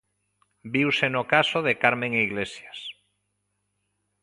Viuse no caso de Carmen Iglesias.